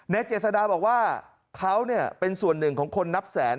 เจษฎาบอกว่าเขาเป็นส่วนหนึ่งของคนนับแสน